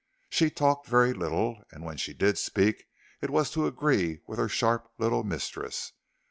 She talked very little, and when she did speak, it was to agree with her sharp little mistress.